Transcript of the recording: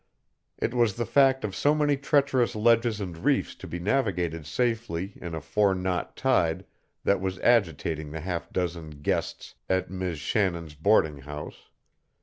It was the fact of so many treacherous ledges and reefs to be navigated safely in a four knot tide that was agitating the half dozen "guests" at Mis' Shannon's boarding house.